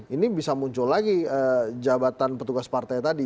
ini bisa muncul lagi jabatan petugas partai tadi